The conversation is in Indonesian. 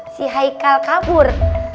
si haikal kabur